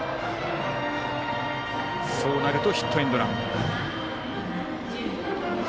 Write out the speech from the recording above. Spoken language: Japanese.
そうなるとヒットエンドラン。